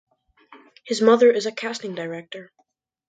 His mother is a casting director.